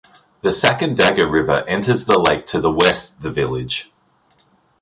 The Sacandaga River enters the lake to the west the village.